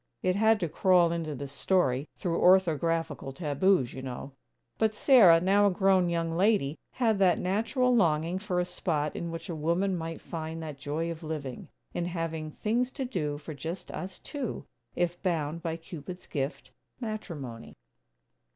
It had to crawl into this story, through orthographical taboos, you know.) But Sarah, now a grown young lady, had that natural longing for a spot in which a woman might find that joy of living, in having "things to do for just us two" if bound by Cupid's gift matrimony.